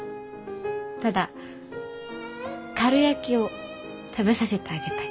ただかるやきを食べさせてあげたい。